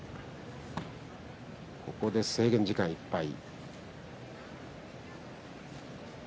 ここで制限時間いっぱい。